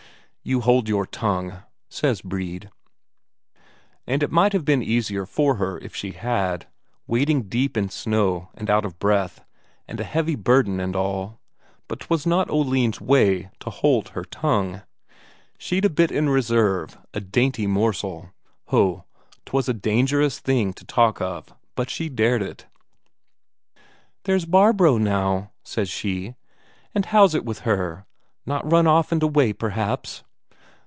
"You hold your tongue," says Brede. And it might have been easier for her if she had, wading deep in snow and out of breath, and a heavy burden and all, but 'twas not Oline's way to hold her tongue. She'd a bit in reserve, a dainty morsel. Ho, 'twas a dangerous thing to talk of, but she dared it. "There's Barbro now," says she. "And how's it with her? Not run off and away, perhaps?"